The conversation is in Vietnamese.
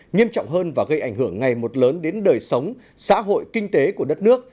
nghiêm trọng hơn và gây ảnh hưởng ngày một lớn đến đời sống xã hội kinh tế của đất nước